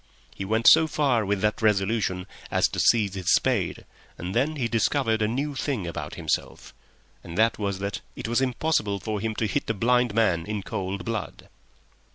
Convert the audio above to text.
He went so far with that resolution as to seize his spade, and then he discovered a new thing about himself, and that was that it was impossible for him to hit a blind man in cold blood.